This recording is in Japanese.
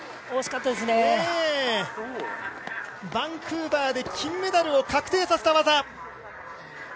バンクーバーで金メダルを確定させた技。